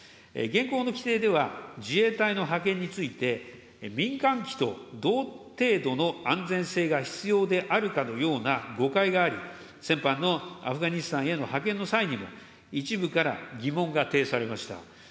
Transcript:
現行の規定では、自衛隊の派遣について、民間機と同程度の安全性が必要であるかのような誤解があり、先般のアフガニスタンへの派遣の際にも、一部から疑問が呈されました。